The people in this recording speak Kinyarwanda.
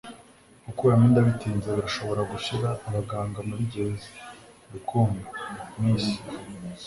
Gukuramo inda bitinze birashobora gushira abaganga muri gereza Rukundo, Miss